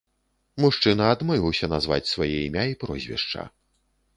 Мужчына адмовіўся назваць свае імя і прозвішча.